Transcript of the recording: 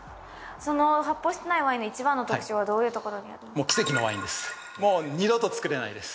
その発泡してないワインの一番の特徴はどういうところもう二度と造れないです